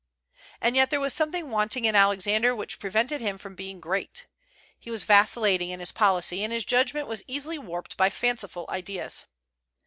And yet there was something wanting in Alexander which prevented him from being great. He was vacillating in his policy, and his judgment was easily warped by fanciful ideas.